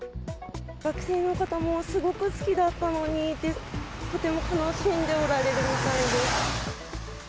学生の方も、すごく好きだったのにって、とても悲しんでおられるみたいです。